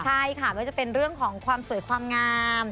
ใช่ค่ะไม่ว่าจะเป็นเรื่องของความสวยความงาม